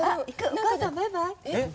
お母さんバイバイ。